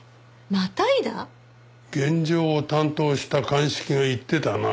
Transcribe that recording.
現場を担当した鑑識が言ってたな。